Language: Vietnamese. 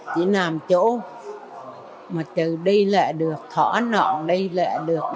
chỉ nằm chỗ mà từ đây lại được thỏa nọn đây lại được